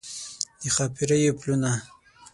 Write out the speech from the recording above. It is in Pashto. د ښاپیریو پلونه